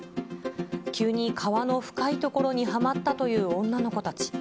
急に川の深い所にはまったという女の子たち。